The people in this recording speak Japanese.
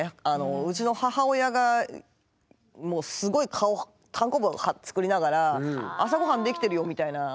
うちの母親がもうすごい顔たんこぶ作りながら「朝ごはんできてるよ」みたいな。